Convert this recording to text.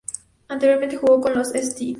Anteriormente jugó con los St.